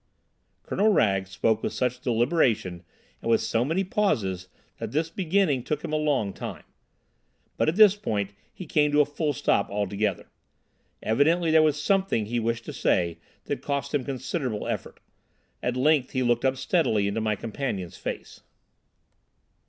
Colonel Wragge spoke with such deliberation and with so many pauses that this beginning took him a long time. But at this point he came to a full stop altogether. Evidently there was something he wished to say that cost him considerable effort. At length he looked up steadily into my companion's face.